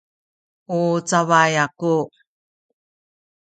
u cabay aku